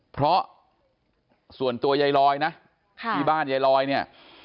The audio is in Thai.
เพราะส่วนตัวยายลอยนะที่บ้านยายลอยเนี่ย